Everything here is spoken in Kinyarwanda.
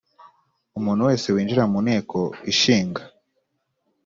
Umuntu wese winjira mu Nteko Ishinga